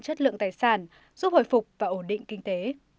chất lượng tài sản giúp hồi phục và ổn định kinh tế